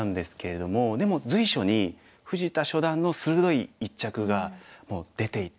でも随所に藤田初段の鋭い一着がもう出ていて。